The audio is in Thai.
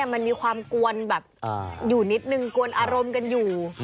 มันมีความกวนแบบอยู่นิดนึงกวนอารมณ์กันอยู่